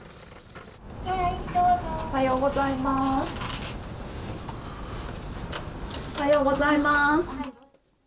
おはようございます。